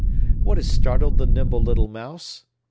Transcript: what has startled the nimble little mouse?